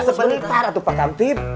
sebentar pak kantin